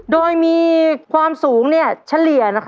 โดยมีความสูงเฉลี่ย